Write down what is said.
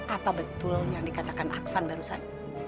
apa betul yang dikatakan aksan barusan